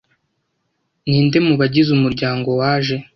Ninde mu bagize umuryango waje